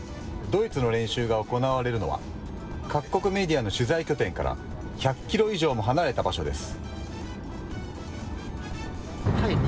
ドイツの練習が行われるのは各国メディアの取材拠点から１００キロ以上も離れた場所です。